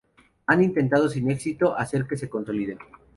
han intentado sin éxito hacer que se consoliden